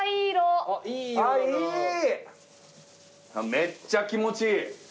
めっちゃ気持ちいい。